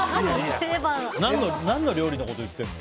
何の料理のこと言ってるの？